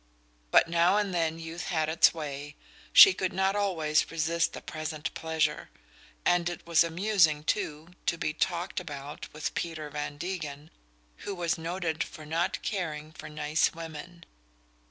But now and then youth had its way she could not always resist the present pleasure. And it was amusing, too, to be "talked about" with Peter Van Degen, who was noted for not caring for "nice women."